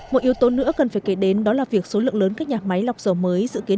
một yếu tố nữa cần phải kể đến đó là việc số lượng lớn các nhà máy lọc dầu mới dự kiến